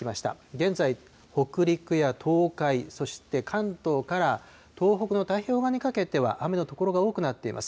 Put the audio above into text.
現在、北陸や東海、そして関東から東北の太平洋側にかけては、雨の所が多くなっています。